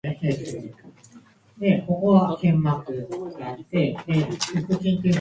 泣きっ面に蜂